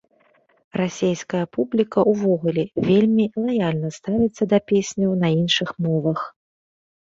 Расейская публіка ўвогуле вельмі лаяльна ставіцца да песняў на іншых мовах.